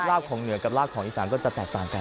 ของเหนือกับรากของอีสานก็จะแตกต่างกัน